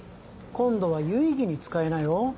今度は有意義に使いなよ